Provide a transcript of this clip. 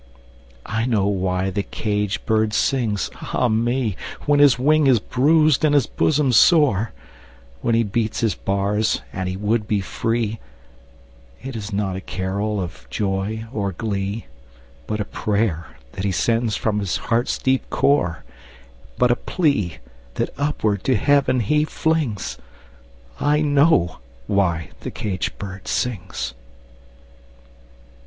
I know why the caged bird sings, ah me, When his wing is bruised and his bosom sore, When he beats his bars and he would be free; It is not a carol of joy or glee, But a prayer that he sends from his heart's deep core, But a plea, that upward to Heaven he flings I know why the caged bird sings!